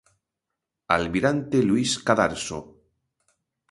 Almirante Luis Cadarso.